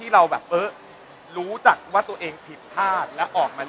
อยากดูแผงหลังนั้น